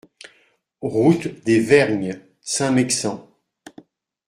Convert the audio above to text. Route des Vergnes, Saint-Mexant